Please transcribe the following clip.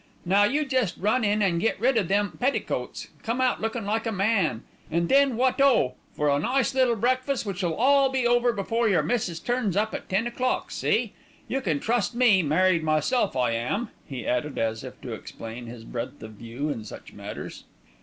Now you jest run in an' get rid o' them petticoats, come out lookin' like a man, an' then wot o! for a nice little breakfast which'll all be over before your missis turns up at ten o'clock, see! You can trust me, married myself I am," he added as if to explain his breadth of view in such matters.